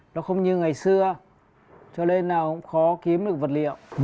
nó không như ngày xưa cho nên nào cũng khó kiếm được vật liệu